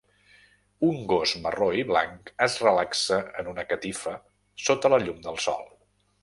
Un gos marró i blanc es relaxa en una catifa sota la llum del sol.